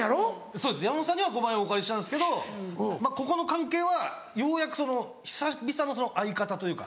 そうです山本さんには５万円お借りしたんですけどここの関係はようやく久々の相方というか。